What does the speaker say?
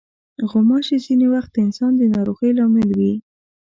غوماشې ځینې وخت د انسان د ناروغۍ لامل وي.